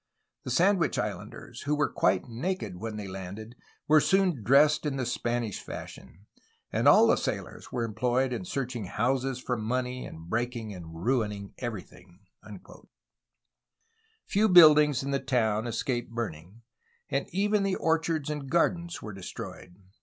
The Sandwich Islanders, who were quite naked when they landed, were soon dressed in the Spanish fashion; and all the sailors were employed in searching houses for money and breaking and ruining everything." Few buildings in the town escaped burning, and even the orchards and gardens were destroyed.